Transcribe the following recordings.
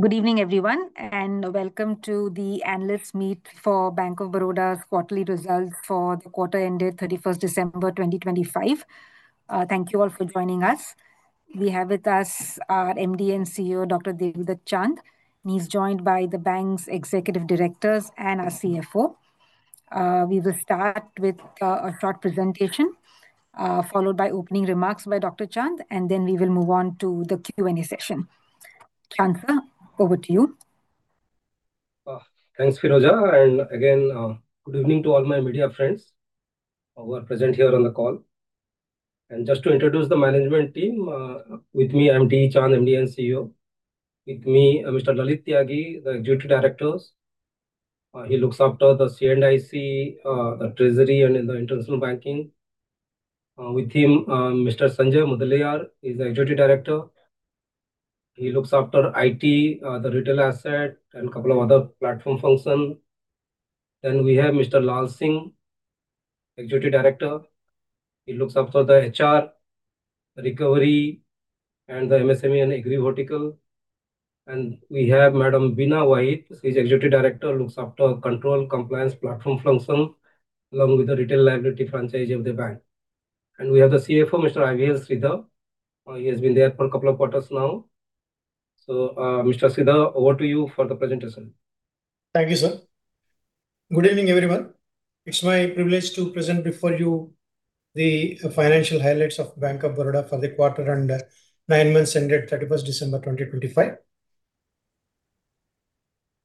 Good evening, everyone, and welcome to the analysts' meet for Bank of Baroda quarterly results for the quarter ended December 31st, 2025. Thank you all for joining us. We have with us our MD and CEO, Dr. Debadatta Chand, and he's joined by the bank's executive directors and our CFO. We will start with a short presentation, followed by opening remarks by Dr. Chand, and then we will move on to the Q&A session. Chandra, over to you. Thanks, Foram, and again, good evening to all my media friends who are present here on the call. Just to introduce the management team, with me, I'm D. Chand, MD and CEO. With me, Mr. Lalit Tyagi, the executive director. He looks after the C&IC, the treasury, and the international banking. With him, Mr. Sanjay Mudaliar is the executive director. He looks after IT, the retail asset, and couple of other platform function. Then we have Mr. Lal Singh, executive director. He looks after the HR, recovery, and the MSME and agri vertical. We have Madam Beena Vaheed, she's executive director, looks after control, compliance, platform function, along with the retail liability franchise of the bank. We have the CFO, Mr. Inumella Sridhar. He has been there for a couple of quarters now. So, Mr. Sridhar, over to you for the presentation. Thank you, sir. Good evening, everyone. It's my privilege to present before you the financial highlights of Bank of Baroda for the quarter and nine months ended thirty-first December, 2025.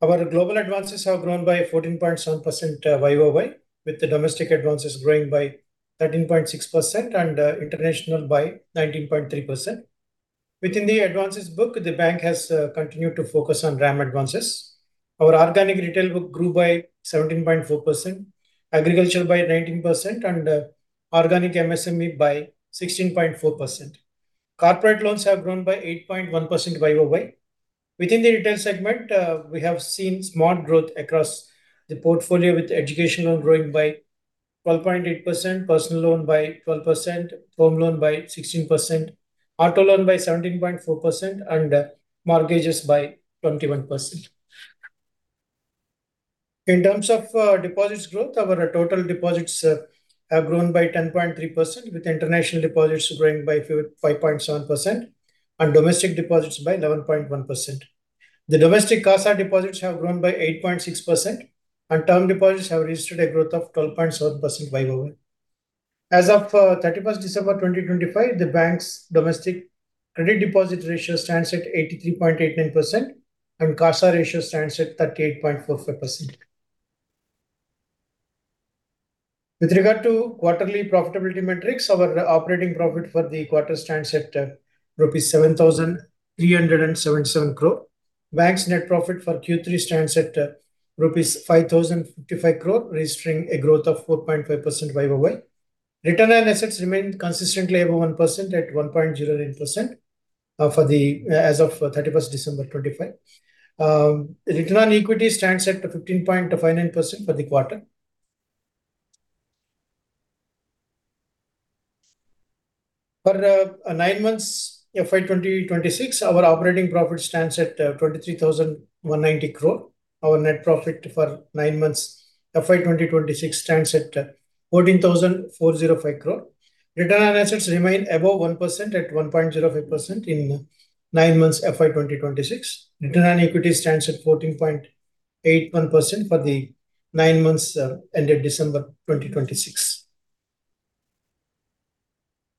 Our global advances have grown by 14.7% year-over-year, with the domestic advances growing by 13.6% and international by 19.3%. Within the advances book, the bank has continued to focus on RAM advances. Our organic retail book grew by 17.4%, agricultural by 19%, and organic MSME by 16.4%. Corporate loans have grown by 8.1% year-over-year. Within the retail segment, we have seen smart growth across the portfolio, with education loan growing by 12.8%, personal loan by 12%, home loan by 16%, auto loan by 17.4%, and mortgages by 21%. In terms of deposits growth, our total deposits have grown by 10.3%, with international deposits growing by 5.7% and domestic deposits by 11.1%. The domestic CASA deposits have grown by 8.6%, and term deposits have registered a growth of 12.7% year-over-year. As of 31 December 2025, the bank's domestic credit deposit ratio stands at 83.89%, and CASA ratio stands at 38.45%. With regard to quarterly profitability metrics, our operating profit for the quarter stands at rupees 7,377 crore. Bank's net profit for Q3 stands at rupees 5,055 crore, registering a growth of 4.5% year-over-year. Return on assets remained consistently above 1% at 1.09%, for the as of 31 December 2025. Return on equity stands at 15.59% for the quarter. For nine months, FY 2026, our operating profit stands at 23,190 crore. Our net profit for nine months, FY 2026, stands at 14,405 crore. Return on assets remain above 1% at 1.05% in nine months, FY 2026. Return on equity stands at 14.81% for the nine months ended December 2026.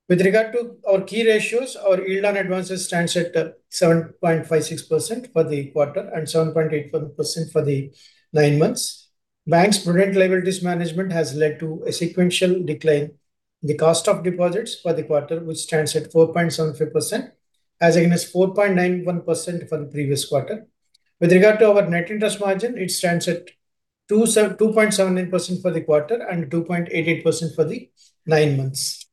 With regard to our key ratios, our yield on advances stands at 7.56% for the quarter and 7.84% for the nine months. Bank's prudent liabilities management has led to a sequential decline in the cost of deposits for the quarter, which stands at 4.75% as against 4.91% for the previous quarter. With regard to our net interest margin, it stands at 2.78% for the quarter and 2.88% for the nine months.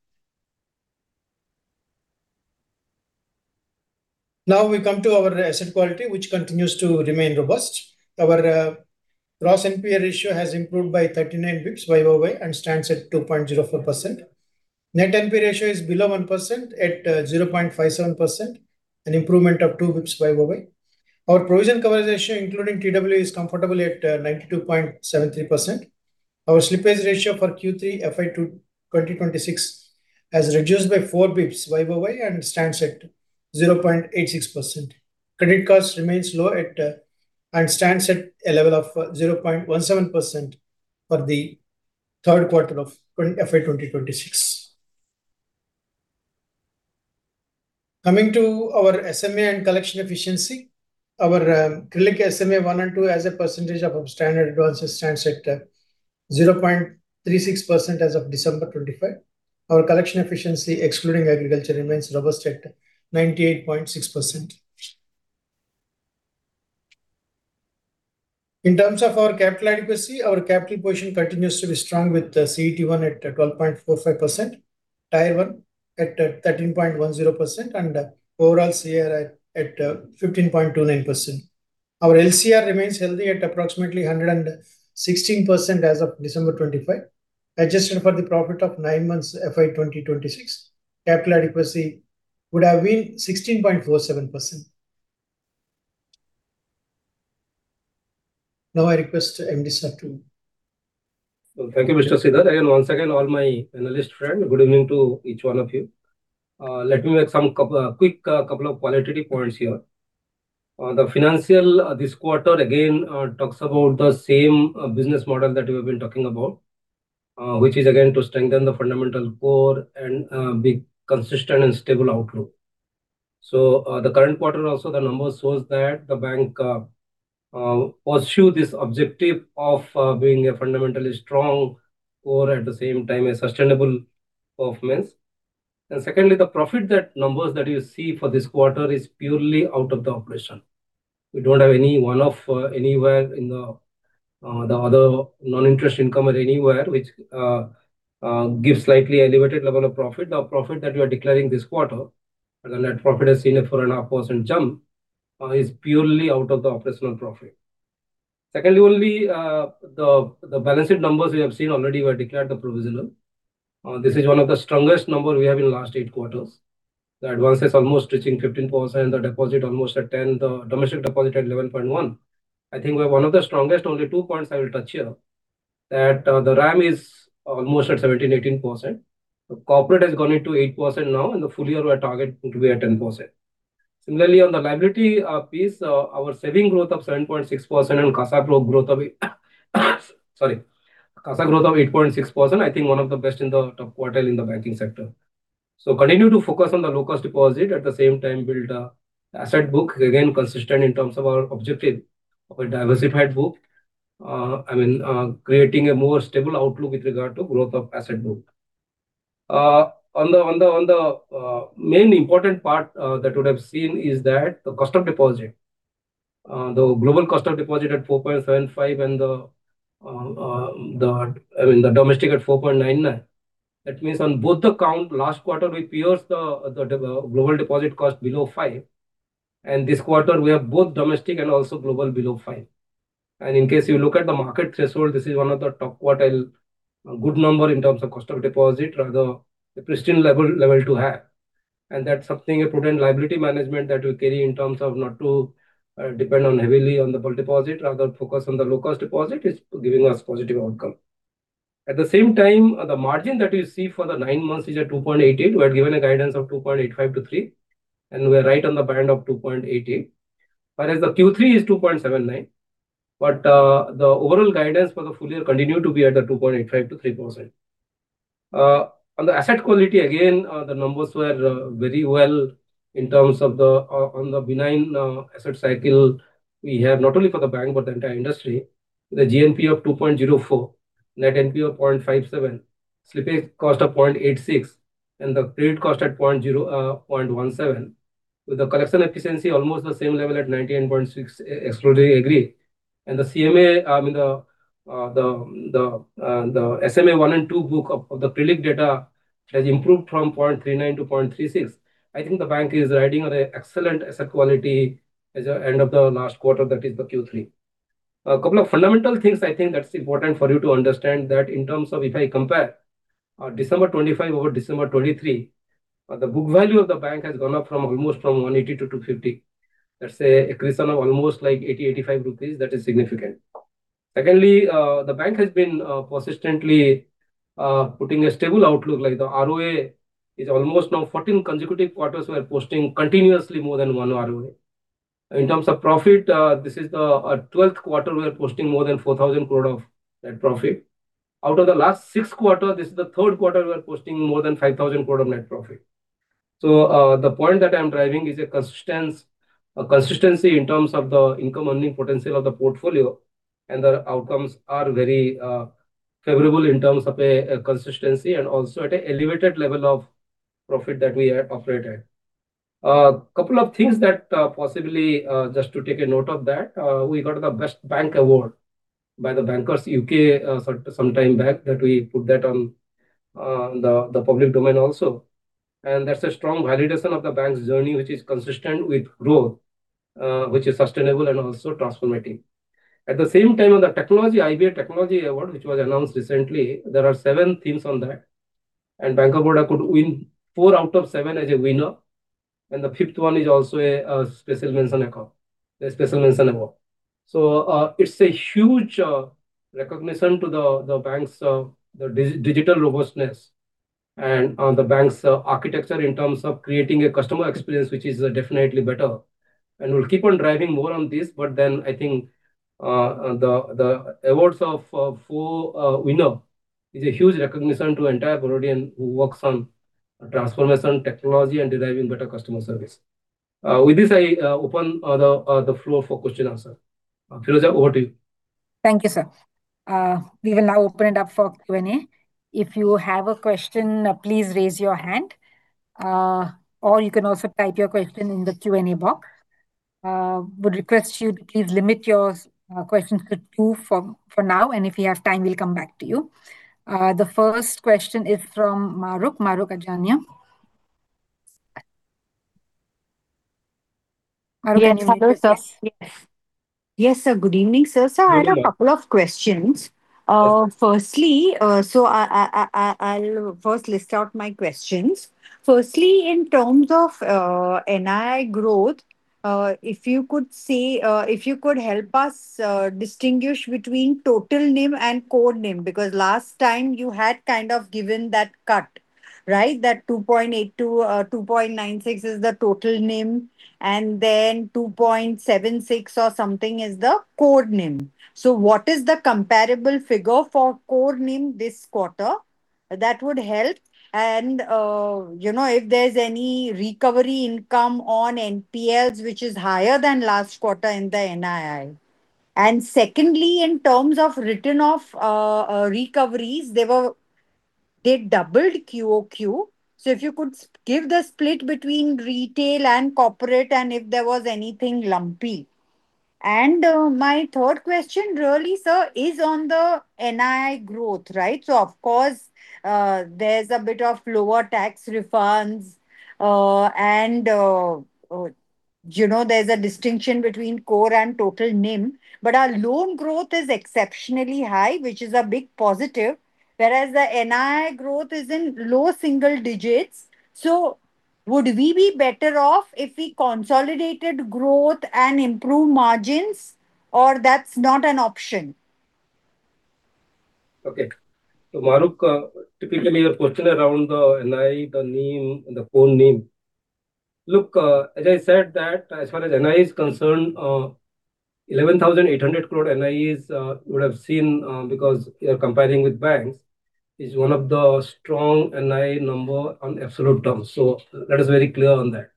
Now, we come to our asset quality, which continues to remain robust. Our gross NPA ratio has improved by 39 basis points year-over-year and stands at 2.04%. Net NPA ratio is below 1% at 0.57%, an improvement of 2 basis points year-over-year. Our provision coverage ratio, including TW, is comfortably at 92.73%. Our slippage ratio for Q3 FY 2026 has reduced by 4 basis points year-over-year and stands at 0.86%. Credit cost remains low at, and stands at a level of 0.17% for the third quarter of FY 2026. Coming to our SMA and collection efficiency, our overall SMA 1 and 2, as a percentage of our standard advances, stands at 0.36% as of December 25. Our collection efficiency, excluding agriculture, remains robust at 98.6%. In terms of our capital adequacy, our capital position continues to be strong, with the CET1 at 12.45%, Tier I at 13.10%, and overall CRAR at 15.29%. Our LCR remains healthy at approximately 116% as of December 25, adjusted for the profit of nine months, FY 2026, capital adequacy would have been 16.47%. Now I request MD sir to- Well, thank you, Mr. Sridhar. Again, once again, all my analyst friend, good evening to each one of you. Let me make a couple of quick qualitative points here. The financial this quarter again talks about the same business model that we have been talking about, which is again to strengthen the fundamental core and be consistent and stable outlook. The current quarter also the numbers shows that the bank pursue this objective of being a fundamentally strong core, at the same time, a sustainable performance. Secondly, the profit numbers that you see for this quarter is purely out of the operation. We don't have any one-off anywhere in the other non-interest income or anywhere which gives slightly elevated level of profit. The profit that we are declaring this quarter, and the net profit has seen a 4.5% jump, is purely out of the operational profit. Secondly, only, the, the balance sheet numbers we have seen already were declared the provisional. This is one of the strongest number we have in last eight quarters. The advances almost reaching 15%, the deposit almost at 10%, the domestic deposit at 11.1%. I think we're one of the strongest. Only two points I will touch here, that, the RAM is almost at 17%-18%. The corporate has gone into 8% now, and the full year we are targeting to be at 10%. Similarly, on the liability piece, our saving growth of 7.6% and CASA pro growth of—sorry, CASA growth of 8.6%, I think one of the best in the top quartile in the banking sector. So continue to focus on the low-cost deposit, at the same time, build a asset book, again, consistent in terms of our objective of a diversified book. I mean, creating a more stable outlook with regard to growth of asset book. On the main important part that you would have seen is that the cost of deposit, the global cost of deposit at 4.75 and the, I mean, the domestic at 4.99. That means on both the count, last quarter we pierced the global deposit cost below five, and this quarter we have both domestic and also global below five. In case you look at the market threshold, this is one of the top quartile, a good number in terms of cost of deposit, rather the pristine level to have. That's something a prudent liability management that we carry in terms of not to depend heavily on the bulk deposit, rather focus on the low-cost deposit, is giving us positive outcome. At the same time, the margin that you see for the nine months is at 2.88. We had given a guidance of 2.85-3, and we are right on the band of 2.88. Whereas the Q3 is 2.79. But, the overall guidance for the full year continue to be at 2.85%-3%. On the asset quality, again, the numbers were very well in terms of the benign asset cycle we have, not only for the bank, but the entire industry. The GNPA of 2.04%, net NPA of 0.57%, slippage cost of 0.86%, and the credit cost at 0.17%, with the collection efficiency almost the same level at 98.6%, excluding agri. And the CASA, the SMA 1 and 2 book of the pre-COVID data has improved from 0.39% to 0.36%. I think the bank is riding on an excellent asset quality as at end of the last quarter, that is the Q3. A couple of fundamental things I think that's important for you to understand, that in terms of if I compare, December 2025 over December 2023, the book value of the bank has gone up from almost from 180 to 250. That's an accretion of almost like 80-85 rupees. That's significant. Secondly, the bank has been, persistently, putting a stable outlook, like the ROA is almost now 14 consecutive quarters we are posting continuously more than 1% ROA. In terms of profit, this is the, 12 quarter we are posting more than 4,000 crore of net profit. Out of the last six quarters, this is the third quarter we are posting more than 5,000 crore of net profit. The point that I'm driving is a consistence, a consistency in terms of the income-earning potential of the portfolio, and the outcomes are very favorable in terms of a consistency and also at an elevated level of profit that we have operated. Couple of things that possibly just to take a note of that, we got the Best Bank award by The Banker U.K., so sometime back, that we put that on the public domain also. And that's a strong validation of the bank's journey, which is consistent with growth, which is sustainable and also transformative. At the same time, on the technology, IBA Technology Award, which was announced recently, there are seven themes on that, and Bank of Baroda could win four out of seven as a winner, and the fifth one is also a special mention award, a special mention award. So, it's a huge recognition to the bank's digital robustness and the bank's architecture in terms of creating a customer experience, which is definitely better. And we'll keep on driving more on this, but then I think the awards of four winner is a huge recognition to entire Barodian who works on transformation, technology, and deriving better customer service. With this, I open the floor for question answer. Foram, over to you. Thank you, sir. We will now open it up for Q&A. If you have a question, please raise your hand, or you can also type your question in the Q&A box. Would request you to please limit your questions to two for now, and if we have time, we'll come back to you. The first question is from Mahrukh Adajania?... Yes, sir. Good evening, sir. Sir, I had a couple of questions. Firstly, I'll first list out my questions. Firstly, in terms of NII growth, if you could help us distinguish between total NIM and core NIM, because last time you had kind of given that cut, right? That 2.8%-2.96% is the total NIM, and then 2.76% or something is the core NIM. So what is the comparable figure for core NIM this quarter? That would help. And, you know, if there's any recovery income on NPLs, which is higher than last quarter in the NII. And secondly, in terms of written-off recoveries, they doubled QOQ. So if you could give the split between retail and corporate, and if there was anything lumpy. And, my third question really, sir, is on the NII growth, right? So of course, there's a bit of lower tax refunds, and, you know, there's a distinction between core and total NIM. But our loan growth is exceptionally high, which is a big positive, whereas the NII growth is in low single digits. So would we be better off if we consolidated growth and improved margins, or that's not an option? Okay. So, Mahrukh, typically your question around the NII, the NIM, and the core NIM. Look, as I said, that as far as NII is concerned, 11,800 crore NII is, you would have seen, because you are comparing with banks, is one of the strong NII number on absolute terms. So that is very clear on that.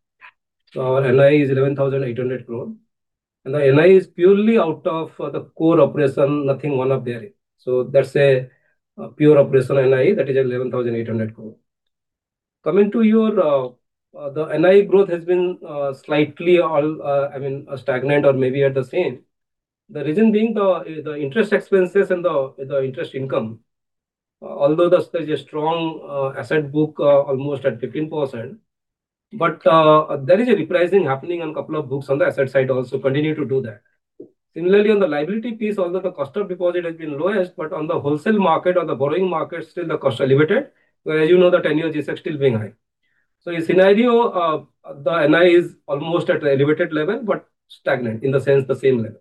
So our NII is 11,800 crore, and the NII is purely out of the core operation, nothing one up there. So that's a, a pure operational NII, that is 11,800 crore. Coming to your, the NII growth has been, slightly, I mean, stagnant or maybe at the same. The reason being the, the interest expenses and the, the interest income. Although there's a strong asset book almost at 15%, but there is a repricing happening on a couple of books on the asset side, also continue to do that. Similarly, on the liability piece, although the cost of deposit has been lowest, but on the wholesale market or the borrowing market, still the cost are elevated, where, as you know, the ten-year G-Sec still being high. So in scenario, the NII is almost at an elevated level, but stagnant, in the sense, the same level.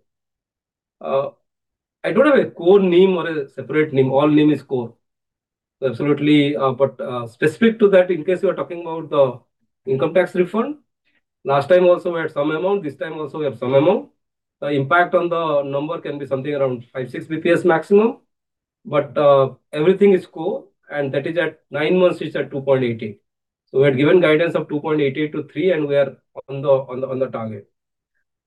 I don't have a core NIM or a separate NIM. All NIM is core. Absolutely, but specific to that, in case you are talking about the income tax refund, last time also we had some amount, this time also we have some amount. The impact on the number can be something around 5-6 basis points maximum, but everything is core, and that is at nine months, it's at 2.88. So we had given guidance of 2.88-3, and we are on the target.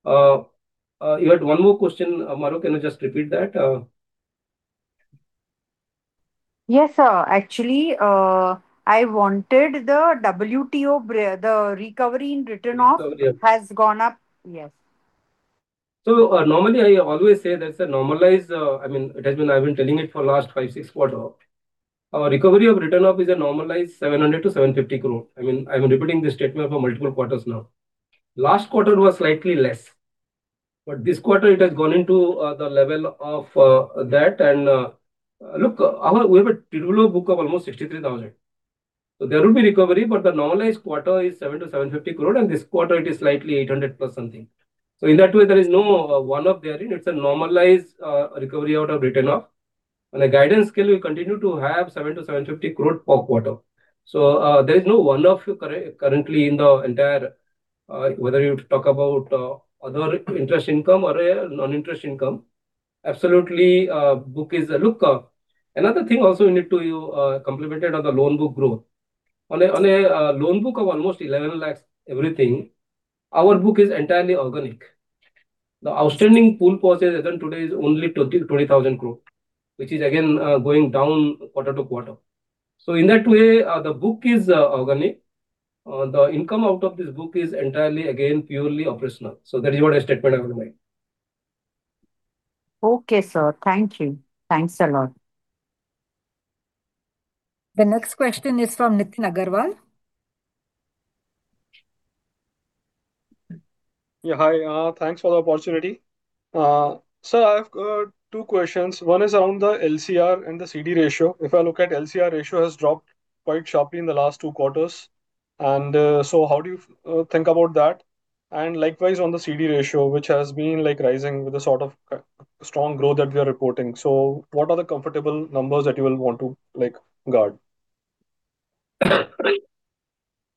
You had one more question, Mahrukh, can you just repeat that? Yes, sir. Actually, I wanted the TWO, the recovery in written-off- Recovery. has gone up. Yes. So, normally I always say that's a normalized, I mean, it has been, I've been telling it for last five, six quarters. Our recovery of written-off is a normalized 700-750 crore. I mean, I'm repeating this statement for multiple quarters now. Last quarter was slightly less, but this quarter it has gone into, the level of, that. And, look, we have a total book of almost 63,000 crore. So there will be recovery, but the normalized quarter is 700-750 crore, and this quarter it is slightly 800 plus something. So in that way, there is no one-up there, it's a normalized, recovery out of written-off. On a guidance scale, we continue to have 700-750 crore per quarter. So, there is no one-off currently in the entire, whether you talk about other interest income or non-interest income. Absolutely, the book is all good. Another thing also you need to comment on the loan book growth. On a loan book of almost 1,100,000 crore, everything, our book is entirely organic. The outstanding pool as of today is only 22,000 crore, which is again going down quarter to quarter. So in that way, the book is organic. The income out of this book is entirely, again, purely operational. So that is what a statement I would make. Okay, sir. Thank you. Thanks a lot. The next question is from Nitin Aggarwal. Yeah, hi. Thanks for the opportunity. So I've two questions. One is on the LCR and the CD Ratio. If I look at LCR ratio has dropped quite sharply in the last two quarters, and so how do you think about that? And likewise, on the CD Ratio, which has been, like, rising with the sort of strong growth that we are reporting. So what are the comfortable numbers that you will want to, like, guard?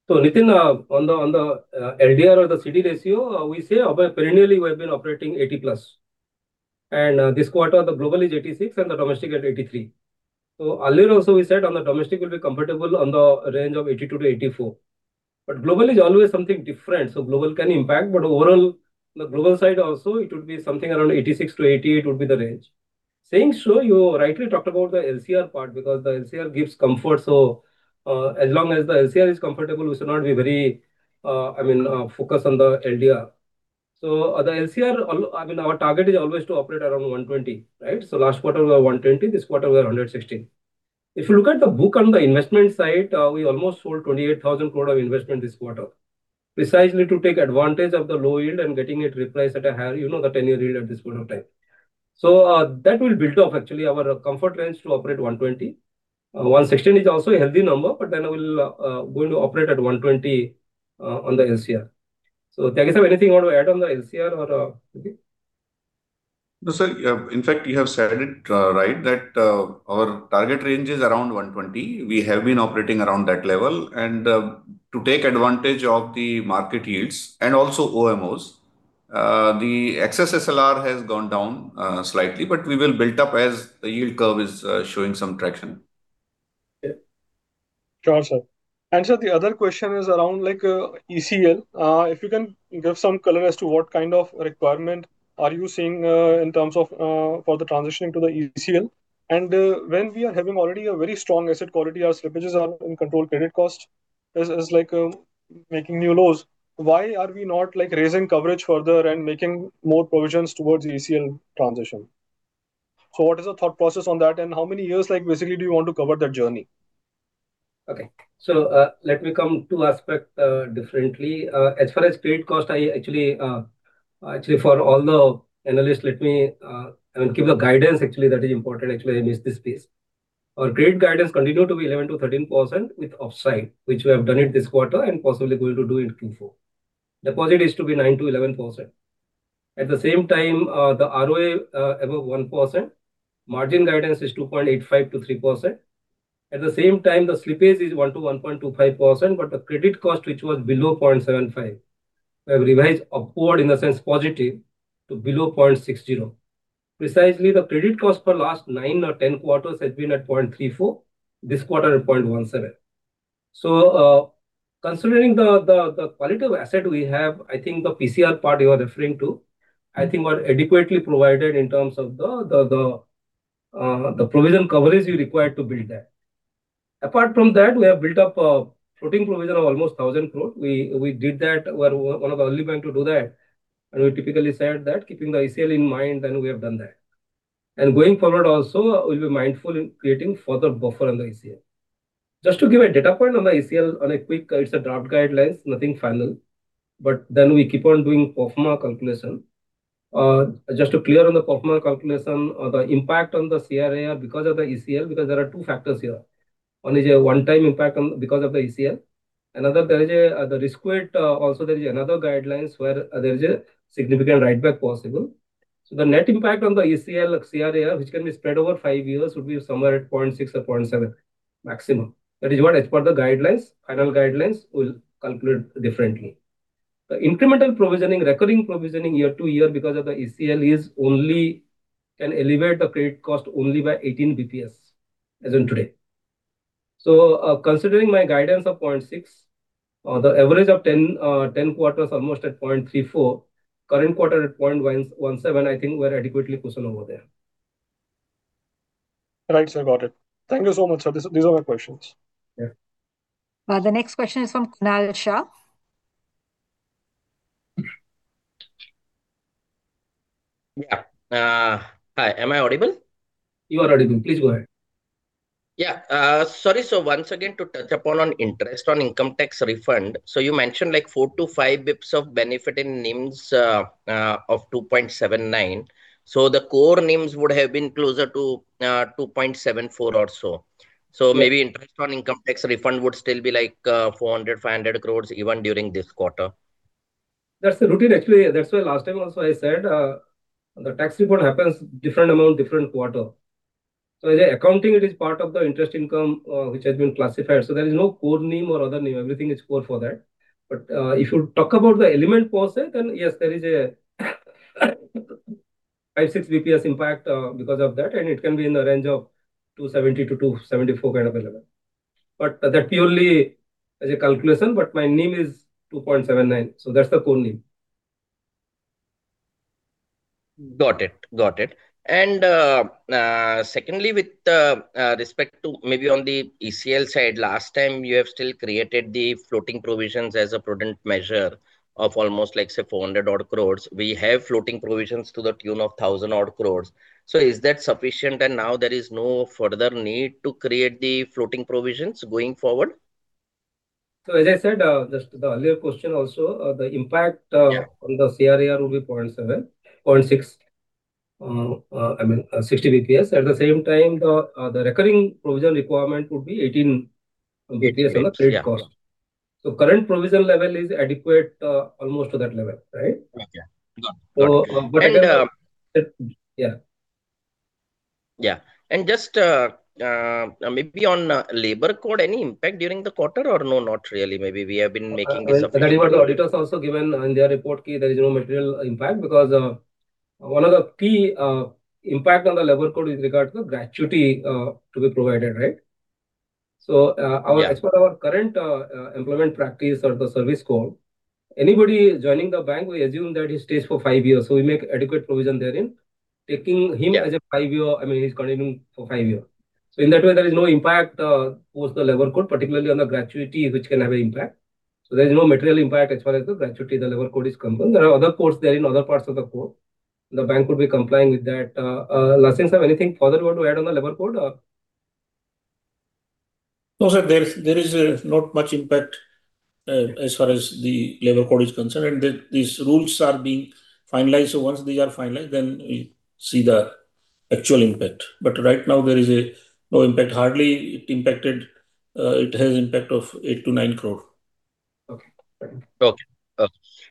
So Nitin, on the LDR or the CD ratio, we say perennially we have been operating 80+%. And, this quarter, the global is 86% and the domestic at 83%. So earlier also we said on the domestic will be comfortable on the range of 82%-84%. But global is always something different, so global can impact. But overall, the global side also, it would be something around 86%-88% would be the range. Saying so, you rightly talked about the LCR part, because the LCR gives comfort. So, as long as the LCR is comfortable, we should not be very, I mean, focused on the LDR. So the LCR, I mean, our target is always to operate around 120%, right? So last quarter we were 120%, this quarter we are 160%.... If you look at the book on the investment side, we almost sold 28,000 crore of investment this quarter, precisely to take advantage of the low yield and getting it repriced at a higher, you know, the 10-year yield at this point of time. So, that will build up actually our comfort range to operate 120. 116 is also a healthy number, but then we'll going to operate at 120, on the LCR. So, Tyagi sir, anything you want to add on the LCR or, okay? No, sir, in fact, you have said it right, that our target range is around 120. We have been operating around that level. To take advantage of the market yields and also OMOs, the excess SLR has gone down slightly, but we will build up as the yield curve is showing some traction. Yeah. Sure, sir. And sir, the other question is around like, ECL. If you can give some color as to what kind of requirement are you seeing, in terms of, for the transitioning to the ECL? And, when we are having already a very strong asset quality, our slippages are in control, credit cost is, like, making new lows, why are we not, like, raising coverage further and making more provisions towards ECL transition? So what is the thought process on that, and how many years, like, basically do you want to cover that journey? Okay. So, let me come to two aspects, differently. As far as credit cost, I actually, actually, for all the analysts, let me, I mean, give the guidance actually that is important, actually, I missed this piece. Our credit guidance continue to be 11%-13% with upside, which we have done it this quarter and possibly going to do in Q4. Deposit is to be 9%-11%. At the same time, the ROA above 1%. Margin guidance is 2.85%-3%. At the same time, the slippage is 1%-1.25%, but the credit cost, which was below 0.75, we have revised upward, in a sense positive, to below 0.60. Precisely, the credit cost for last nine or 10 quarters has been at 0.34; this quarter, at 0.17. So, considering the quality of asset we have, I think the PCR part you are referring to, I think we are adequately provided in terms of the provision coverage you require to build that. Apart from that, we have built up a floating provision of almost 1,000 crore. We did that. We're one of the early banks to do that, and we typically said that keeping the ECL in mind, and we have done that. And going forward also, we'll be mindful in creating further buffer on the ECL. Just to give a data point on the ECL on a quick, it's draft guidelines, nothing final, but then we keep on doing pro forma calculation. Just to clear on the pro forma calculation or the impact on the CRAR because of the ECL, because there are two factors here. One is a one-time impact because of the ECL. Another, there is a, the risk weight, also there is another guidelines where there is a significant write-back possible. So the net impact on the ECL or CRAR, which can be spread over five years, would be somewhere at 0.6 or 0.7 maximum. That is what, as per the guidelines, final guidelines, we'll conclude differently. The incremental provisioning, recurring provisioning year to year because of the ECL is only can elevate the credit cost only by 18 basis points, as in today. Considering my guidance of 0.6, the average of 10 quarters almost at 0.34, current quarter at 0.117, I think we're adequately positioned over there. Right, sir. Got it. Thank you so much, sir. These, these are my questions. Yeah. The next question is from Kunal Shah. Yeah. Hi, am I audible? You are audible. Please go ahead. Yeah, sorry. So once again, to touch upon interest on income tax refund. So you mentioned like 4-5 basis points of benefit in NIMs of 2.79. So the core NIMs would have been closer to 2.74 or so. Yeah. So maybe interest on income tax refund would still be like, 400-500 crore, even during this quarter? That's the routine, actually. That's why last time also I said, the tax refund happens different amount, different quarter. So as a accounting, it is part of the interest income, which has been classified, so there is no core NIM or other NIM. Everything is core for that. But, if you talk about the element per se, then yes, there is a 5-6 basis points impact, because of that, and it can be in the range of 270-274 kind of level. But that purely is a calculation, but my NIM is 2.79, so that's the core NIM. Got it. Got it. And, secondly, with the respect to maybe on the ECL side, last time you have still created the floating provisions as a prudent measure of almost like, say, 400-odd crores. We have floating provisions to the tune of 1,000-odd crores. So is that sufficient, and now there is no further need to create the floating provisions going forward? So, as I said, just to the earlier question also, the impact- Yeah... on the CRAR will be 0.7, 0.6, I mean, 60 basis points. At the same time, the, the recurring provision requirement would be 18 basis points on the credit cost. Yeah. Current provision level is adequate, almost to that level, right? Okay. Got it. So, but- And, um- Yeah. Yeah. And just, maybe on labor code, any impact during the quarter, or no, not really? Maybe we have been making this- That's what the auditors also given in their report, key, there is no material impact, because, one of the key, impact on the labor code with regard to the gratuity, to be provided, right? So, our- Yeah. As per our current employment practice or the service code, anybody joining the bank, we assume that he stays for five years, so we make adequate provision therein, taking him as a five-year... I mean, he's continuing for five year. So in that way, there is no impact post the labor code, particularly on the gratuity, which can have an impact. So there is no material impact as far as the gratuity, the labor code is concerned. There are other parts there in other parts of the code.... the bank would be complying with that. Lal Singh, sir, anything further you want to add on the labor code or? No, sir, there is not much impact as far as the labor code is concerned, and these rules are being finalized. So once they are finalized, then we see the actual impact. Right now there is no impact. Hardly it impacted, it has impact of 8 crore-9 crore. Okay.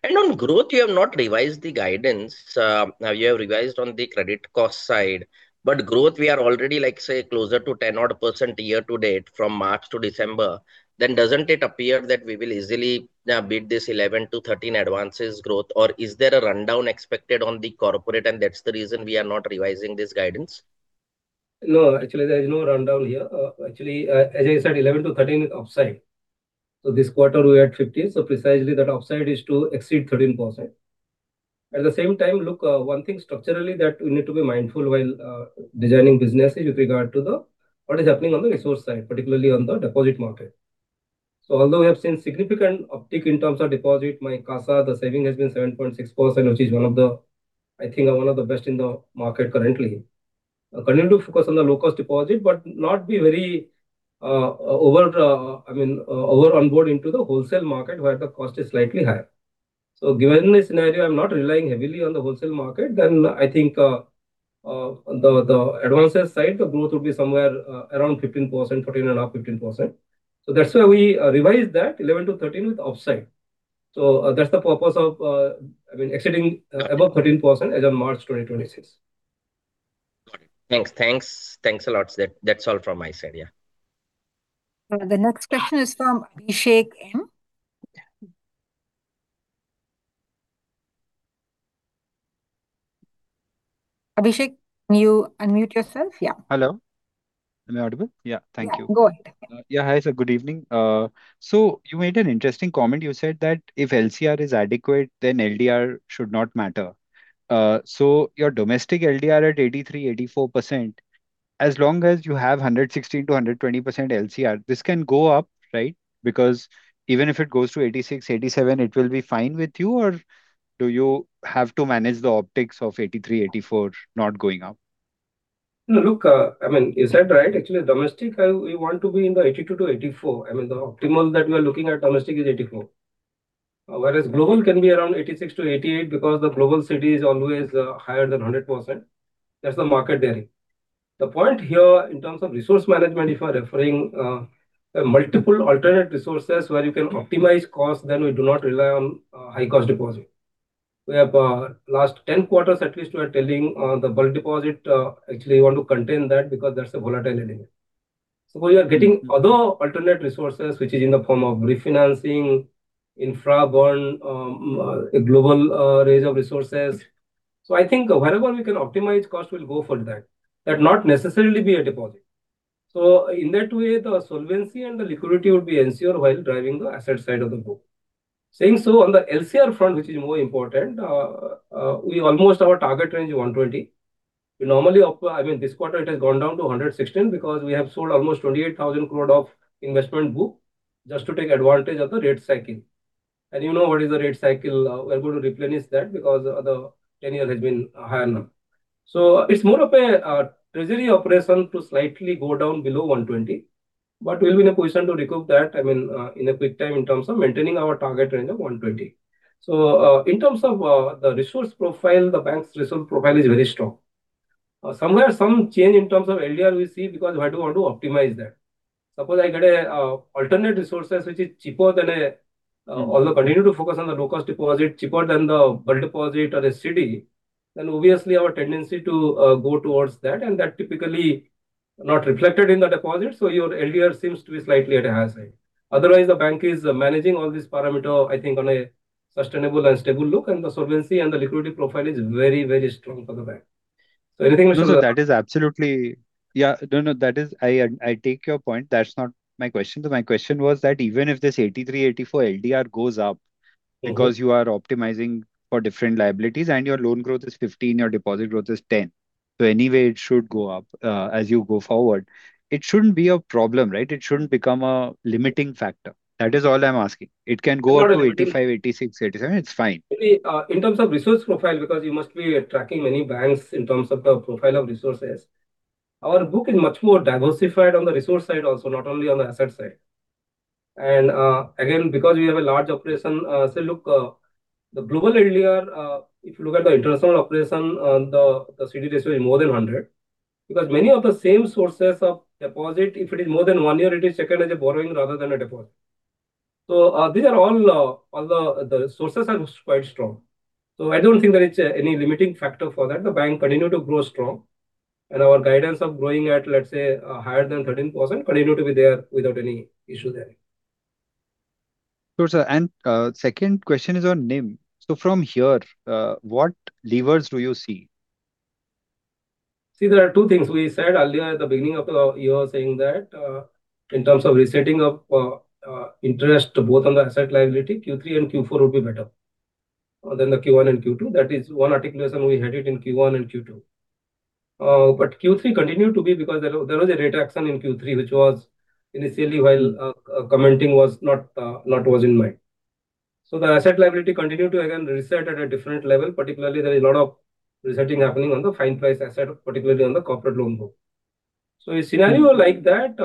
Thank you. Okay. On growth, you have not revised the guidance. Now you have revised on the credit cost side, but growth, we are already like, say, closer to 10 odd % year to date from March to December. Then doesn't it appear that we will easily beat this 11-13 advances growth, or is there a rundown expected on the corporate, and that's the reason we are not revising this guidance? No, actually, there is no rundown here. Actually, as I said, 11-13 upside. So this quarter we had 15, so precisely that upside is to exceed 13%. At the same time, look, one thing structurally that we need to be mindful while designing business is with regard to the, what is happening on the resource side, particularly on the deposit market. So although we have seen significant uptick in terms of deposit, my CASA, the saving has been 7.6%, which is one of the-- I think one of the best in the market currently. We continue to focus on the low-cost deposit, but not be very, over, I mean, over on board into the wholesale market, where the cost is slightly higher. So given this scenario, I'm not relying heavily on the wholesale market, then I think, the advances side, the growth will be somewhere around 15%, 14.5, 15%. So that's why we revised that 11%-13% with upside. So, that's the purpose of, I mean, exceeding above 13% as of March 2026. Got it. Thanks. Thanks. Thanks a lot, sir. That's all from my side. Yeah. The next question is from Abhishek M. Abhishek, can you unmute yourself? Yeah. Hello. Am I audible? Yeah. Thank you. Yeah, go ahead. Yeah. Hi, sir, good evening. You made an interesting comment. You said that if LCR is adequate, then LDR should not matter. Your domestic LDR at 83%-84%, as long as you have 160%-120% LCR, this can go up, right? Because even if it goes to 86-87, it will be fine with you, or do you have to manage the optics of 83-84 not going up? No, look, I mean, you said right. Actually, domestic, we want to be in the 82%-84%. I mean, the optimal that we are looking at domestic is 84%. Whereas global can be around 86%-88%, because the global CD is always higher than 100%. That's the market dynamic. The point here, in terms of resource management, if you are referring multiple alternate resources where you can optimize costs, then we do not rely on high-cost deposit. We have, last 10 quarters at least, we are telling the bulk deposit, actually, we want to contain that because there's a volatility in it. So we are getting other alternate resources, which is in the form of refinancing, infra bond, global range of resources. So I think wherever we can optimize cost, we'll go for that. That not necessarily be a deposit. So in that way, the solvency and the liquidity would be ensured while driving the asset side of the book. Saying so on the LCR front, which is more important, we almost our target range is 120. We normally, I mean, this quarter it has gone down to 116 because we have sold almost 28,000 crore of investment book just to take advantage of the rate cycle. And you know what is the rate cycle. We are going to replenish that because the 10-year has been higher now. So it's more of a treasury operation to slightly go down below 120, but we'll be in a position to recoup that, I mean, in a quick time in terms of maintaining our target range of 120. So, in terms of the resource profile, the bank's resource profile is very strong. Somewhere some change in terms of LDR we see because we have to want to optimize that. Suppose I get a alternate resources which is cheaper than a... Although we continue to focus on the low-cost deposit, cheaper than the bulk deposit or CD, then obviously our tendency to go towards that, and that typically not reflected in the deposit, so your LDR seems to be slightly at a higher side. Otherwise, the bank is managing all this parameter, I think on a sustainable and stable look, and the solvency and the liquidity profile is very, very strong for the bank. So anything- No, no, that is absolutely. Yeah. No, no, that is—I, I take your point. That's not my question. So my question was that even if this 83-84 LDR goes up- Mm-hmm. Because you are optimizing for different liabilities and your loan growth is 15, your deposit growth is 10, so anyway, it should go up as you go forward. It shouldn't be a problem, right? It shouldn't become a limiting factor. That is all I'm asking. Sure. It can go up to 85, 86, 87, it's fine. In terms of resource profile, because you must be tracking many banks in terms of the profile of resources, our book is much more diversified on the resource side also, not only on the asset side. Again, because we have a large operation, the global LDR, if you look at the international operation on the CD ratio is more than 100. Because many of the same sources of deposit, if it is more than one year, it is seen as a borrowing rather than a deposit. So, these are all the sources are quite strong. So I don't think there is any limiting factor for that. The bank continue to grow strong, and our guidance of growing at, let's say, higher than 13%, continue to be there without any issue there. Sure, sir. Second question is on NIM. So from here, what levers do you see? See, there are two things. We said earlier at the beginning of the year, saying that in terms of resetting of interest both on the asset liability, Q3 and Q4 would be better than the Q1 and Q2. That is one articulation we had in Q1 and Q2, but Q3 continued to be, because there was a retraction in Q3, which was initially while commenting was not in mind. So the asset liability continued to again reset at a different level, particularly there is a lot of resetting happening on the fixed price asset, particularly on the corporate loan book. So a scenario like that,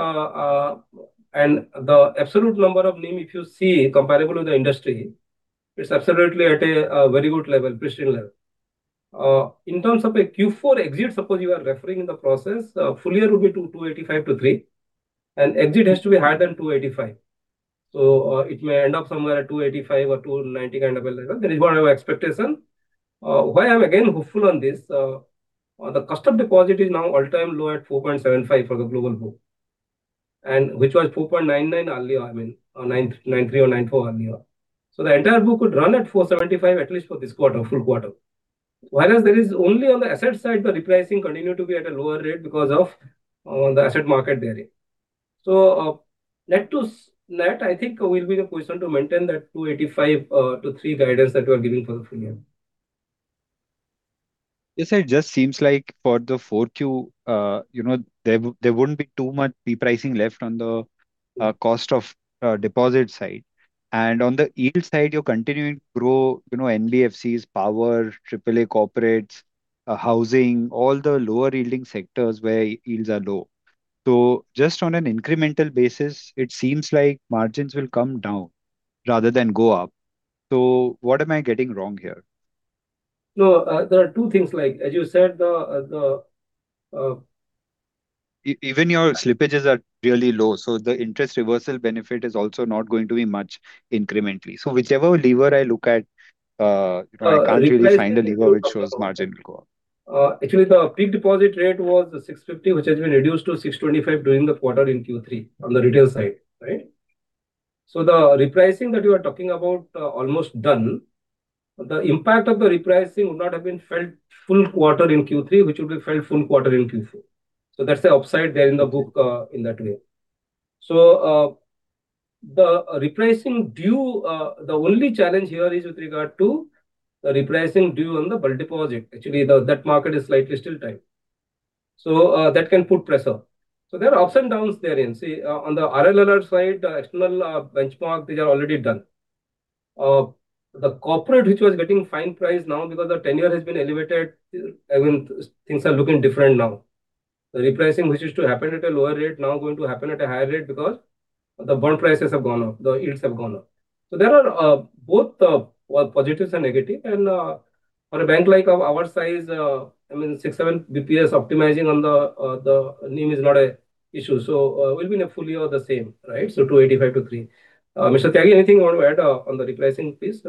and the absolute number of NIM, if you see comparable with the industry, it's absolutely at a very good level, pristine level. In terms of a Q4 exit, suppose you are referring in the process, full year will be 2.285-3, and exit has to be higher than 2.85. So, it may end up somewhere at 2.85 or 2.90 kind of level. That is what our expectation. Why I'm again hopeful on this, the cost of deposit is now all-time low at 4.75 for the global book, and which was 4.99 earlier, I mean, or 4.93 or 4.94 earlier. So the entire book could run at 4.75 at least for this quarter, full quarter. Whereas there is only on the asset side, the repricing continue to be at a lower rate because of, the asset market bearing. So, net to net, I think we'll be in a position to maintain that 2.85-3 guidance that we are giving for the full year. Yes, sir, it just seems like for the Q4, you know, there wouldn't be too much repricing left on the cost of deposit side. And on the yield side, you're continuing to grow, you know, NBFCs, power, triple A corporates, housing, all the lower yielding sectors where yields are low. So just on an incremental basis, it seems like margins will come down rather than go up. So what am I getting wrong here? No, there are two things like, as you said, the, the- Even your slippages are really low, so the interest reversal benefit is also not going to be much incrementally. So whichever lever I look at, I can't really find a lever which shows margin will go up. Actually, the peak deposit rate was 6.50%, which has been reduced to 6.25% during the quarter in Q3 on the retail side, right? So the repricing that you are talking about, almost done, the impact of the repricing would not have been felt full quarter in Q3, which will be felt full quarter in Q4. So that's the upside there in the book, in that way. So, the repricing due, the only challenge here is with regard to the repricing due on the bulk deposit. Actually, that market is slightly still tight, so, that can put pressure. So there are ups and downs therein. See, on the RLLR side, external benchmark, these are already done. The corporate, which was getting repriced now because the tenure has been elevated, I mean, things are looking different now. The repricing, which is to happen at a lower rate, now going to happen at a higher rate because the bond prices have gone up, the yields have gone up. There are both positives and negative. For a bank like of our size, I mean, six, seven basis points optimizing on the NIM is not an issue. We'll be in a full year the same, right? 2.85%-3%. Mr. Tyagi, anything you want to add on the repricing, please?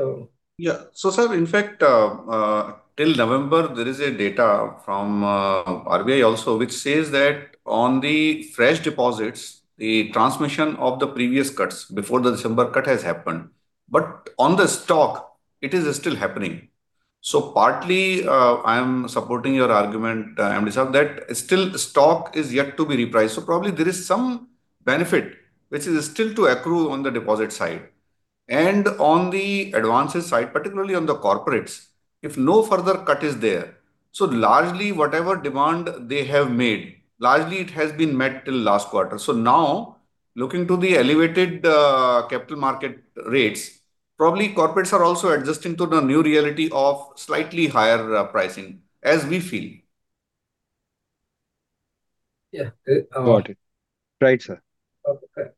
Yeah. So, sir, in fact, till November, there is a data from RBI also, which says that on the fresh deposits, the transmission of the previous cuts before the December cut has happened. But on the stock, it is still happening. So partly, I am supporting your argument, Amrith sir, that still stock is yet to be repriced. So probably there is some benefit which is still to accrue on the deposit side. And on the advances side, particularly on the corporates, if no further cut is there, so largely whatever demand they have made, largely it has been met till last quarter. So now, looking to the elevated capital market rates, probably corporates are also adjusting to the new reality of slightly higher pricing, as we feel. Yeah, uh- Got it. Right, sir. Okay, great.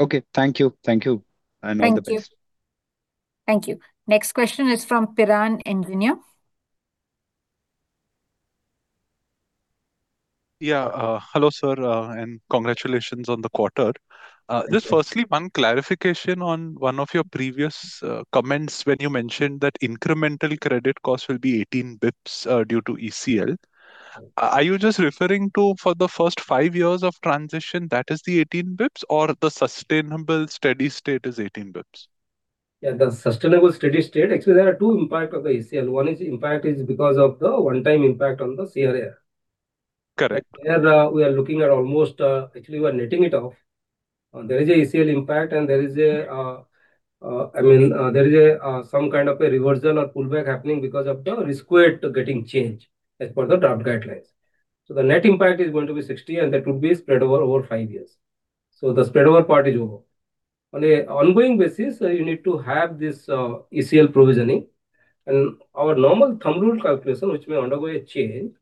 Okay, thank you. Thank you, and all the best. Thank you. Thank you. Next question is from Piran Engineer. Yeah, hello, sir, and congratulations on the quarter. Thank you. Just firstly, one clarification on one of your previous comments when you mentioned that incremental credit cost will be 18 basis points due to ECL. Are you just referring to for the first five years of transition, that is the 18 basis points, or the sustainable steady state is 18 basis points? Yeah, the sustainable steady state, actually, there are two impacts of the ECL. One impact is because of the one-time impact on the CRAR. Correct. Where, we are looking at almost, actually we are netting it off. There is an ECL impact, and there is a, I mean, there is a, some kind of a reversal or pullback happening because of the risk weight getting changed as per the draft guidelines. So the net impact is going to be 60, and that would be spread over five years. So the spread over part is over. On an ongoing basis, you need to have this, ECL provisioning, and our normal thumb rule calculation, which may undergo a change,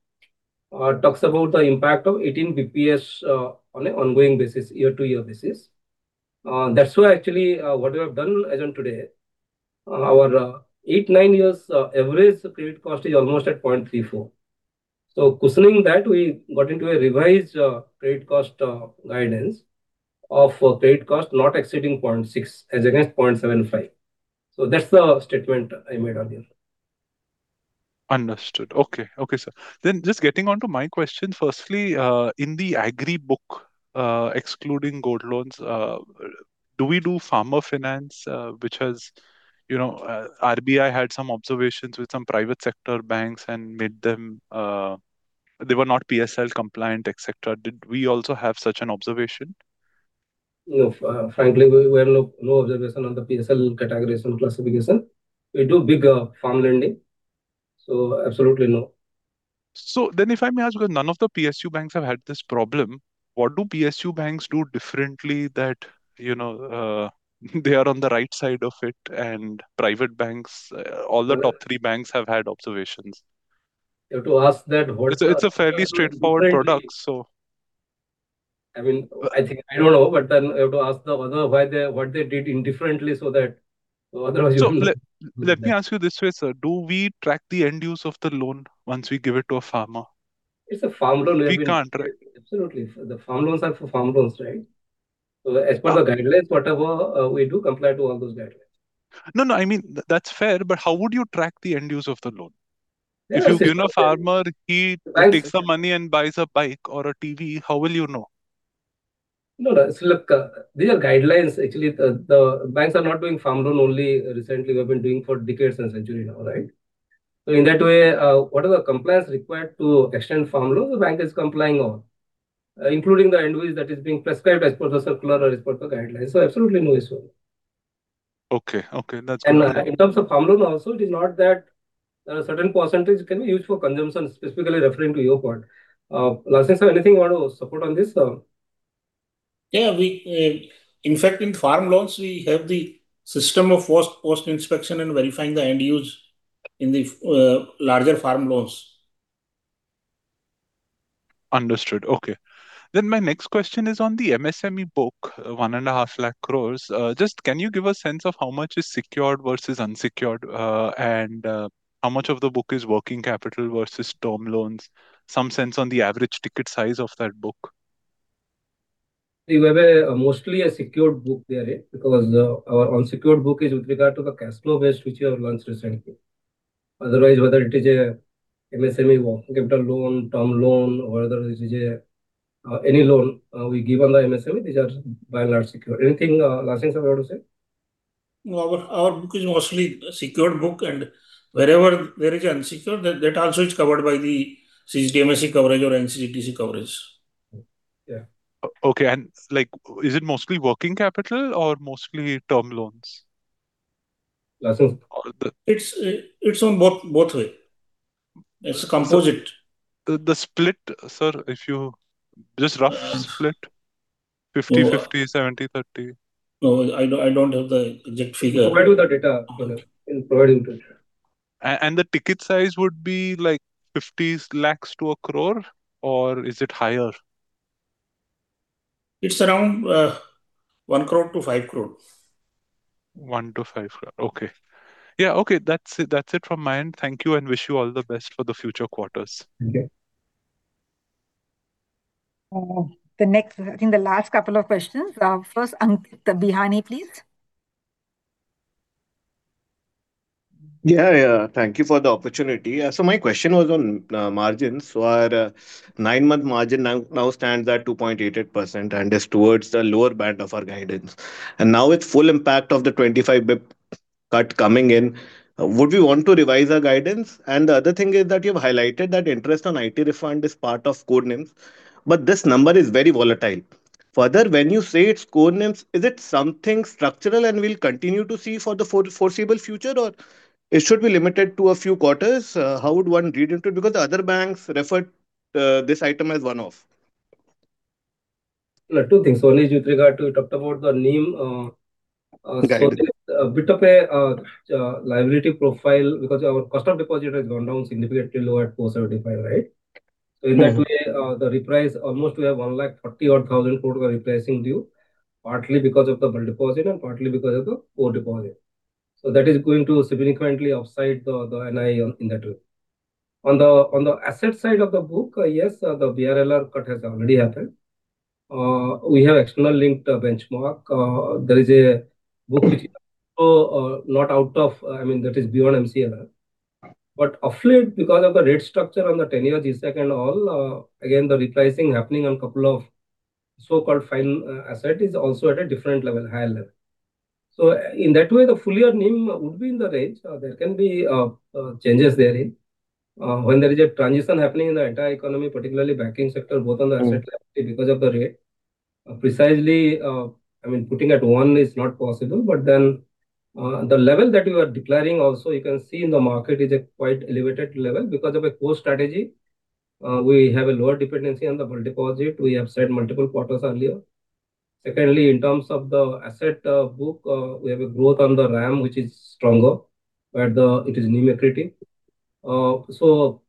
talks about the impact of 18 basis points, on an ongoing basis, year-to-year basis. That's why actually, what we have done as on today, our eight nine years average credit cost is almost at 0.34. So cushioning that, we got into a revised credit cost guidance of credit cost not exceeding 0.6 as against 0.75. So that's the statement I made earlier. Understood. Okay. Okay, sir. Then just getting on to my question, firstly, in the agri book, excluding gold loans, do we do farmer finance, which has, you know... RBI had some observations with some private sector banks and made them, they were not PSL compliant, et cetera. Did we also have such an observation?... you know, frankly, we have no, no observation on the PSL categorization classification. We do big farm lending. So absolutely no. So then, if I may ask, because none of the PSU banks have had this problem, what do PSU banks do differently that, you know, they are on the right side of it, and private banks, all the top three banks have had observations? You have to ask that, what- It's a fairly straightforward product, so. I mean, I think I don't know, but then you have to ask the other why they-- what they did indifferently so that otherwise you- So let me ask you this way, sir: Do we track the end use of the loan once we give it to a farmer? It's a farm loan, we have been- We can't, right? Absolutely. The farm loans are for farm loans, right? So as per the guidelines, we do comply to all those guidelines. No, no, I mean, that's fair, but how would you track the end use of the loan? Yes- If you give a farmer, he- Right... takes the money and buys a bike or a TV, how will you know? No, no, so look, these are guidelines. Actually, the banks are not doing farm loan only recently, we have been doing for decades and century now, right? So in that way, what are the compliance required to extend farm loan, the bank is complying on, including the end use that is being prescribed as per the circular, as per the guidelines. So absolutely no issue. Okay. Okay, that's- In terms of farm loan also, it is not that certain percentage can be used for consumption, specifically referring to your point. Lal Singh, sir, anything you want to support on this? Yeah, we... In fact, in farm loans, we have the system of first post-inspection and verifying the end use in the larger farm loans. Understood. Okay. Then my next question is on the MSME book, 150,000 crore. Just, can you give a sense of how much is secured versus unsecured, and how much of the book is working capital versus term loans? Some sense on the average ticket size of that book. We have a mostly a secured book there, because our unsecured book is with regard to the cash flow base, which we have launched recently. Otherwise, whether it is a MSME working capital loan, term loan, or whether it is a any loan we give on the MSME, these are by and large secured. Anything, Lal Singh you want to say? No. Our book is mostly a secured book, and wherever there is unsecured, that also is covered by the CGTMSE coverage or NCGTC coverage. Yeah. Okay, and like, is it mostly working capital or mostly term loans? That's a- It's, it's on both ways. It's a composite. The split, sir, if you just rough split, 50/50, 70/30. No, I don't, I don't have the exact figure. Provide you the data, we'll provide you the data. The ticket size would be, like, 0.5 crore-1 crore, or is it higher? It's around 1 crore-5 crore. 1 crore-INR 5 crore. Okay. Yeah, okay, that's it, that's it from my end. Thank you, and wish you all the best for the future quarters. Okay. The next, I think the last couple of questions. First, Ankit Bihani, please. Yeah, yeah. Thank you for the opportunity. So my question was on margins. So our nine-month margin now, now stands at 2.88% and is towards the lower band of our guidance. And now with full impact of the 25 basis point cut coming in, would we want to revise our guidance? And the other thing is that you've highlighted that interest on IT refund is part of core NIMs, but this number is very volatile. Further, when you say it's core NIMs, is it something structural and we'll continue to see for the foreseeable future, or it should be limited to a few quarters? How would one read into it? Because the other banks referred this item as one-off. Two things. One is with regard to, you talked about the NIM. Got it... so a bit of a liability profile, because our cost of deposit has gone down significantly lower at 4.75, right? Mm. So in that way, the reprice, almost we have 130,000 crore repricing due, partly because of the bulk deposit and partly because of the core deposit. So that is going to significantly upside the, the NII on in that way. On the, on the asset side of the book, yes, the VRR cut has already happened. We have external linked benchmark. There is a book which is, not out of, I mean, that is beyond MCLR. But of late, because of the rate structure on the 10-year G-Sec and all, again, the repricing happening on couple of so-called fine asset is also at a different level, higher level. So in that way, the full year NIM would be in the range. There can be changes therein. When there is a transition happening in the entire economy, particularly banking sector, both on the asset- Mm... liability because of the rate. Precisely, I mean, putting at one is not possible. But then, the level that we are declaring also, you can see in the market, is a quite elevated level. Because of a core strategy, we have a lower dependency on the bulk deposit, we have said multiple quarters earlier. Secondly, in terms of the asset book, we have a growth on the RAM, which is stronger, but it is NIM accretive. So,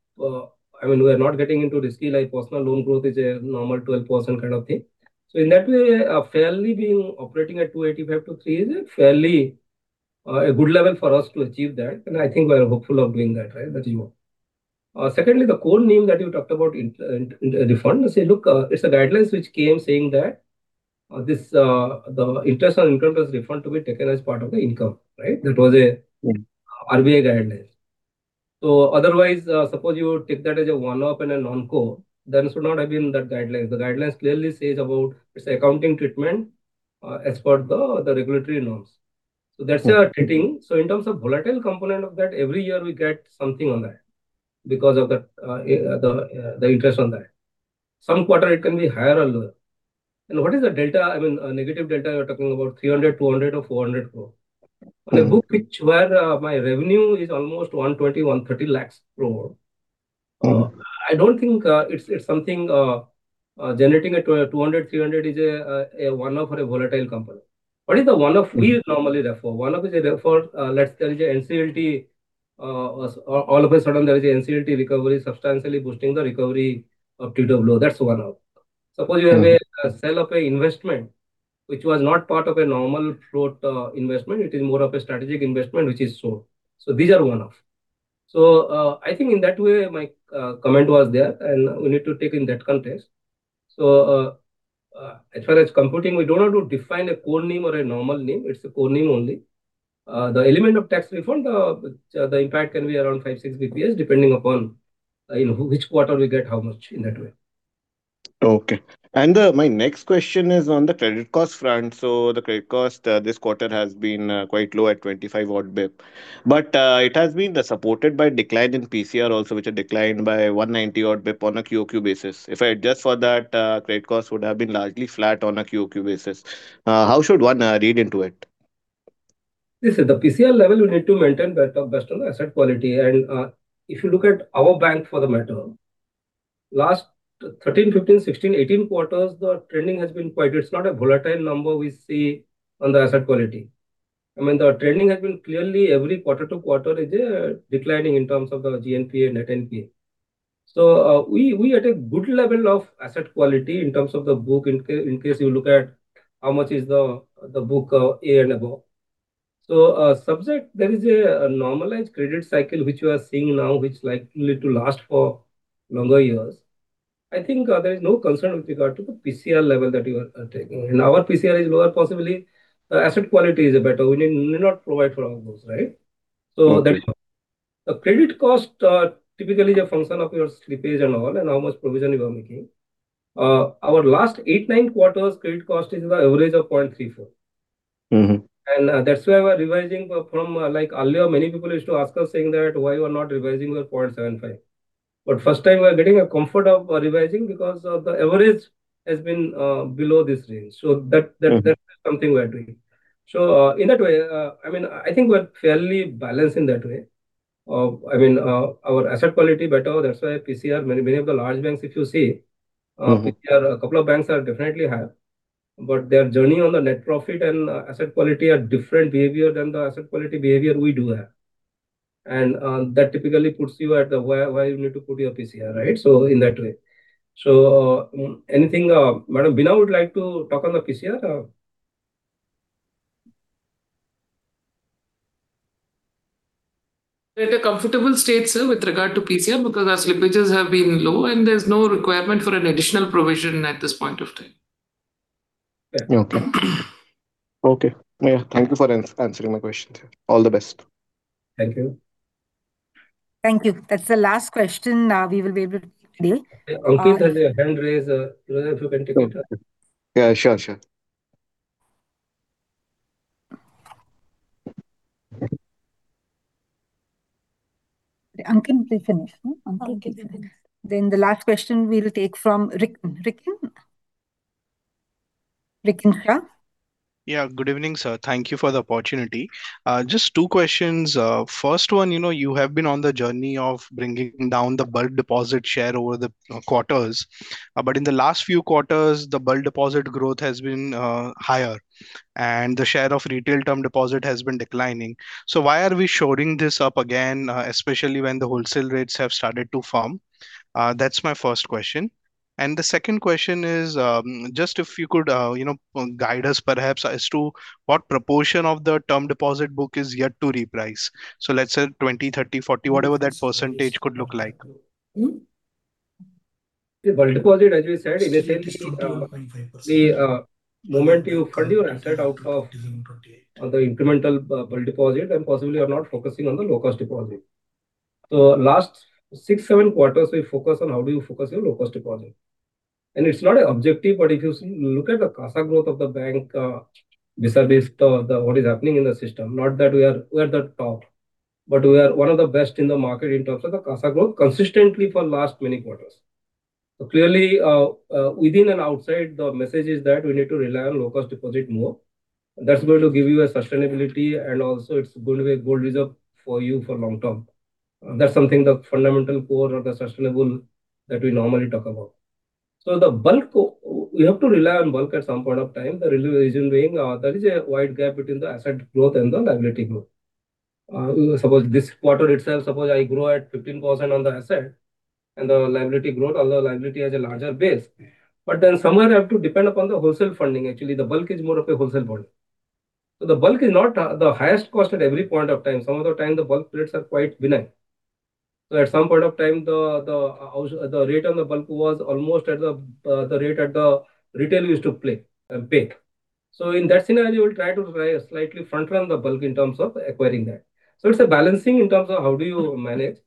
I mean, we are not getting into risky, like, personal loan growth is a normal 12% kind of thing. So in that way, fairly being operating at 2.85-3 is a fairly a good level for us to achieve that, and I think we are hopeful of doing that, right? That is one. Secondly, the core NIM that you talked about in the refund. Say, look, it's a guidelines which came saying that, this, the interest on income tax refund to be taken as part of the income, right? That was a- Mm... RBI guideline. So otherwise, suppose you take that as a one-off and a non-core, then should not have been that guideline. The guidelines clearly says about its accounting treatment, as per the regulatory norms. Okay. That's our treasury. So in terms of volatile component of that, every year we get something on that... because of the interest on that. Some quarter it can be higher or lower. And what is the delta? I mean, negative delta, we are talking about 300 crore, 200 crore, or 400 crore. Mm-hmm. On a book where my revenue is almost 120,000 crore-130,000 crore. Mm-hmm. I don't think it's something generating 200-300 is a one-off or a volatile company. What is the one-off we normally refer? Mm. One-off is a refer, let's tell you NCLT, all of a sudden there is a NCLT recovery substantially boosting the recovery of TWO. That's one-off. Mm. Suppose you have a sale of a investment which was not part of a normal growth, investment, it is more of a strategic investment which is sold, so these are one-off. So, I think in that way my comment was there, and we need to take in that context. So, as far as computing, we don't want to define a core name or a normal name. It's a core name only. The element of tax refund, the impact can be around 5, 6 basis points, depending upon, you know, which quarter we get how much in that way. Okay. My next question is on the credit cost front. The credit cost this quarter has been quite low at 25 odd basis points. It has been supported by decline in PCR also, which had declined by 190 odd basis points on a quarter-over-quarter basis. If I adjust for that, credit cost would have been largely flat on a quarter-over-quarter basis. How should one read into it? Listen, the PCR level, we need to maintain that based on asset quality. And if you look at our bank for that matter, last 13, 15, 16, 18 quarters, the trending has been quite... It's not a volatile number we see on the asset quality. I mean, the trending has been clearly every quarter to quarter is declining in terms of the GNPA and net NPA. So, we are at a good level of asset quality in terms of the book, in case you look at how much is the book, A and above. So, subject there is a normalized credit cycle which we are seeing now, which likely to last for longer years. I think, there is no concern with regard to the PCR level that you are taking. Our PCR is lower, possibly, asset quality is better. We need not provide for all those, right? Mm. A credit cost typically is a function of your slippage and all, and how much provision you are making. Our last 8, 9 quarters, credit cost is the average of 0.34. Mm-hmm. that's why we're revising from, like earlier, many people used to ask us, saying that, "Why you are not revising your 0.75?" But first time we are getting a comfort of revising because of the average has been below this range. So that, that- Mm. That's something we are doing. So, in that way, I mean, I think we're fairly balanced in that way. I mean, our asset quality better, that's why PCR, many, many of the large banks, if you see- Mm-hmm... PCR, a couple of banks are definitely high. But their journey on the net profit and asset quality are different behavior than the asset quality behavior we do have. And that typically puts you at the where, where you need to put your PCR, right? So in that way. So, anything Madam Beena would like to talk on the PCR? We're at a comfortable state, sir, with regard to PCR, because our slippages have been low, and there's no requirement for an additional provision at this point of time. Okay. Okay. Yeah, thank you for answering my questions. All the best. Thank you. Thank you. That's the last question we will be able to take today. Ankit has his hand raised, if you can take it. Yeah, sure, sure. Ankit, please finish. Ankit, please finish. Then the last question we'll take from Rikin. Rikin? Rikin Shah. Yeah, good evening, sir. Thank you for the opportunity. Just two questions. First one, you know, you have been on the journey of bringing down the bulk deposit share over the quarters. But in the last few quarters, the bulk deposit growth has been higher, and the share of retail term deposit has been declining. So why are we shoring this up again, especially when the wholesale rates have started to firm? That's my first question. And the second question is, just if you could, you know, guide us perhaps as to what proportion of the term deposit book is yet to reprice. So let's say 20%, 30%, 40%, whatever that percentage could look like. Mm. The bulk deposit, as we said, is essentially-... 25% the moment you fund your asset out of- 28 - or the incremental, bulk deposit, and possibly you are not focusing on the low-cost deposit. So last six, seven quarters, we focus on how do you focus your low-cost deposit. And it's not an objective, but if you see, look at the CASA growth of the bank, vis-à-vis the what is happening in the system, not that we're at the top, but we are one of the best in the market in terms of the CASA growth, consistently for last many quarters. So clearly, within and outside, the message is that we need to rely on low-cost deposit more. That's going to give you a sustainability, and also it's going to be a good reserve for you for long term. That's something the fundamental core of the sustainable that we normally talk about. So we have to rely on bulk at some point of time, the reason being, there is a wide gap between the asset growth and the liability growth. Suppose this quarter itself, suppose I grow at 15% on the asset and the liability growth, although liability has a larger base, but then somewhere I have to depend upon the wholesale funding. Actually, the bulk is more of a wholesale funding. So the bulk is not the highest cost at every point of time. Some of the time, the bulk rates are quite benign. So at some point of time, the rate on the bulk was almost at the rate at the retail we used to pay. So in that scenario, we'll try to slightly front-run the bulk in terms of acquiring that. So it's a balancing in terms of how do you manage.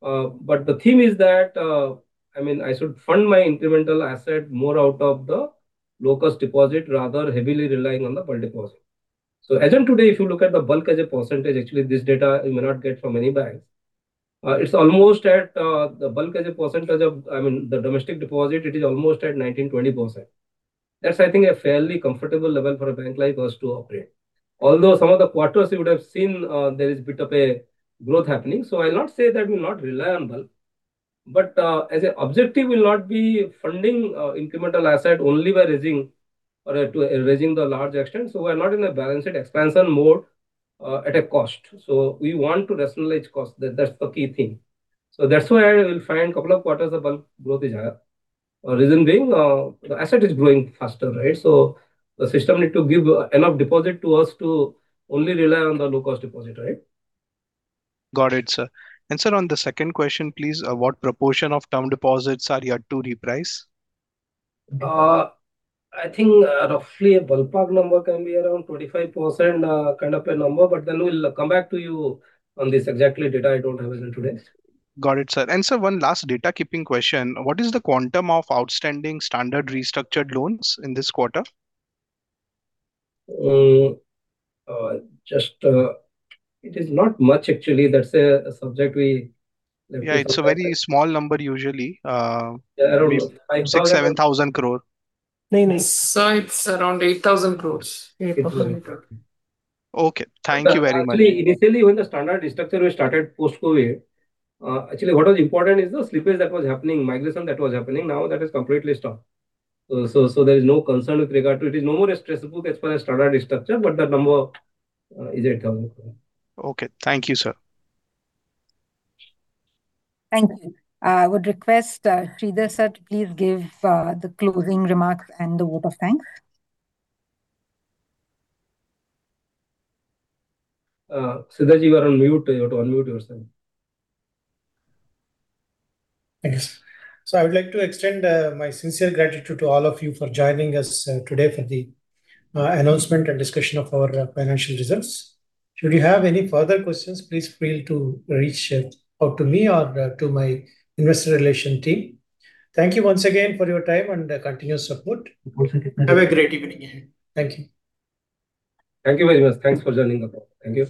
But the theme is that, I mean, I should fund my incremental asset more out of the low-cost deposit, rather heavily relying on the bulk deposit. So as on today, if you look at the bulk as a percentage, actually, this data you may not get from many banks. It's almost at, the bulk as a percentage of, I mean, the domestic deposit, it is almost at 19%-20%. That's, I think, a fairly comfortable level for a bank like us to operate. Although some of the quarters you would have seen, there is a bit of a growth happening. So I'll not say that we'll not rely on bulk, but as an objective, we'll not be funding incremental asset only by raising or to raising the large extent, so we're not in a balanced expansion mode at a cost. So we want to rationalize cost, that's the key thing. So that's why you will find a couple of quarters of bulk growth is higher. Reason being, the asset is growing faster, right? So the system need to give enough deposit to us to only rely on the low-cost deposit, right? Got it, sir. Sir, on the second question, please, what proportion of term deposits are yet to reprice? I think, roughly a ballpark number can be around 25%, kind of a number, but then we'll come back to you on this. Exact data I don't have as on today. Got it, sir. Sir, one last housekeeping question: What is the quantum of outstanding standard restructured loans in this quarter? It is not much, actually. That's a subject we- Yeah, it's a very small number usually. Yeah, I don't know. INR 6,000-INR 7,000 crore. No, no, sir, it's around INR 8,000 crore. 8,000 crore. Okay. Thank you very much. Actually, initially, when the standard restructure was started post-COVID, actually, what was important is the slippage that was happening, migration that was happening. Now, that is completely stopped. So, so there is no concern with regard to it. It is no more a stress book as far as standard restructure, but the number is 8,000 crore. Okay. Thank you, sir. Thank you. I would request, Sridhar sir, to please give the closing remarks and the vote of thanks. Sridhar, you are on mute. You have to unmute yourself. Thanks. So I would like to extend my sincere gratitude to all of you for joining us today for the announcement and discussion of our financial results. Should you have any further questions, please feel free to reach out to me or to my investor relations team. Thank you once again for your time and continuous support. Have a great evening again. Thank you. Thank you very much. Thanks for joining us. Thank you.